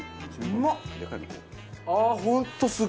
うまっ！